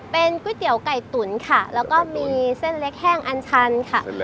เป็นก๋วยเตี๋ยวไก่ตุ๋นค่ะแล้วก็มีเส้นเล็กแห้งอันชันค่ะ